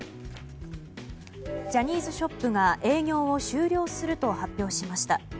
ジャニーズショップが営業を終了すると発表しました。